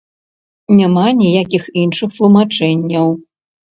Няма ніякіх іншых тлумачэнняў.